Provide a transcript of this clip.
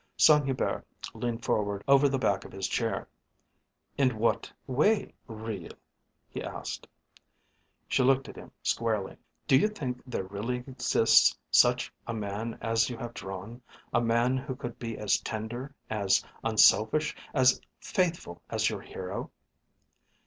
Saint Hubert leaned forward over the back of his chair. "In what way real?" he asked. She looked at him squarely. "Do you think there really exists such a man as you have drawn a man who could be as tender, as unselfish, as faithful as your hero?"